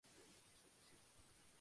Revista Dinero.